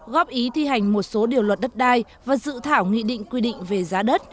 góp ý thi hành một số điều luật đất đai và dự thảo nghị định quy định về giá đất